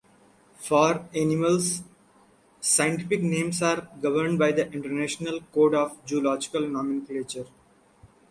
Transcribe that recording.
For animals, scientific names are governed by the International Code of Zoological Nomenclature.